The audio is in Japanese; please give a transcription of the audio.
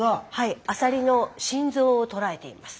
アサリの心臓をとらえています。